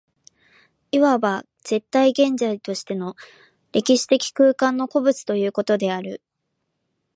いわば絶対現在としての歴史的空間の個物ということである。